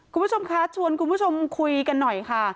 คุณผู้ชมคะชวนคุณผู้ชมคุยกันหน่อยค่ะ